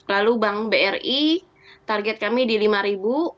lalu bank bri target kami di rp lima